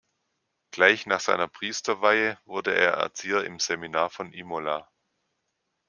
Gleich nach seiner Priesterweihe wurde er Erzieher im Seminar von Imola.